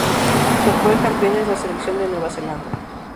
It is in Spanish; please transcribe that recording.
Su actual campeón es la selección de Nueva Zelanda.